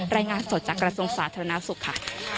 รายงานสดจากกระทรวงสาธารณสุขค่ะ